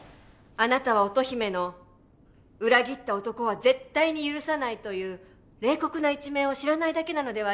あなたは乙姫の裏切った男は絶対に許さないという冷酷な一面を知らないだけなのではありませんか？